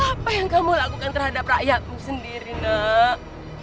apa yang kamu lakukan terhadap rakyatmu sendiri nak